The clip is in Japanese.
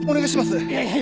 いやいや。